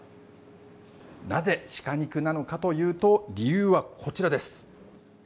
なぜ鹿肉なのかというと理由は、こちらです。